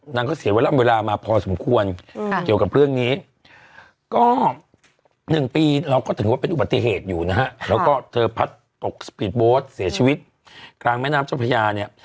นางก็เสียเวลามาพอสมควรเกี่ยวกับเรื่องนี้ก็๑ปีเราก็ถือว่าเป็นอุบัติเหตุอยู่นะฮะแล้วก็เธอพัดตกสปีดโบสต์เสียชีวิตกลางแม่น้ำเจ้าพญาเนี่ย